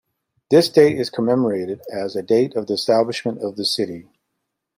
This date is commemorated as a date of the establishment of the city.